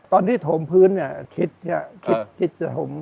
ตอนที่ถมพื้นเนี่ยคิดจะถม